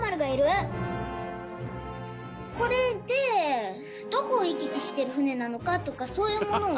これでどこを行き来してる船なのかとかそういうものを。